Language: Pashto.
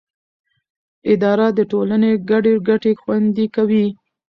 اداره د ټولنې ګډې ګټې خوندي کوي.